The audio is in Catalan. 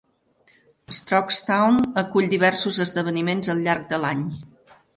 Strokestown acull diversos esdeveniments al llarg de l'any.